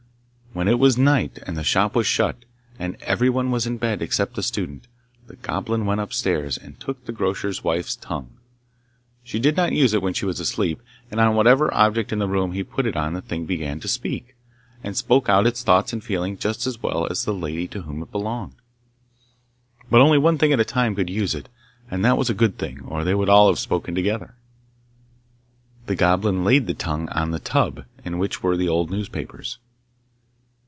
When it was night and the shop was shut, and everyone was in bed except the student, the Goblin went upstairs and took the grocer's wife's tongue. She did not use it when she was asleep, and on whatever object in the room he put it that thing began to speak, and spoke out its thoughts and feelings just as well as the lady to whom it belonged. But only one thing at a time could use it, and that was a good thing, or they would have all spoken together. The Goblin laid the tongue on the tub in which were the old newspapers.